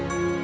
gak tahu kok